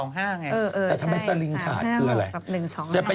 แต่ทำไมสลิงขาดคืออะไร